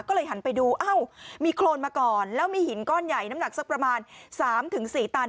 ก็เลยหันไปดูอ้าวมีโครนมาก่อนแล้วมีหินก้อนใหญ่น้ำหนักสักประมาณ๓๔ตัน